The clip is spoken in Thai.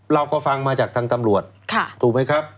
เราก็ฟังมาจากทางตำรวจถูกไหมครับ